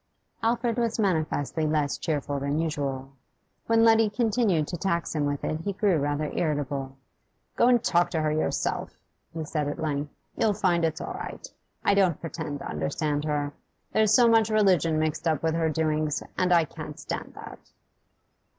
Alfred was manifestly less cheerful than usual. When Letty continued to tax him with it he grew rather irritable. 'Go and talk to her yourself,' he said at length. 'You'll find it's all right. I don't pretend to understand her; there's so much religion mixed up with her doings, and I can't stand that.